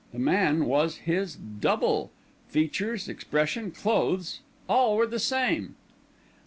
The man was his double: features, expression, clothes; all were the same.